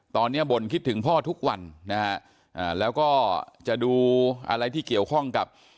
ตอนนี้บ่นคิดถึงพ่อทุกวันนะฮะอ่าแล้วก็จะดูอะไรที่เกี่ยวข้องกับ